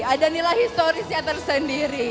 ada nilai historisnya tersendiri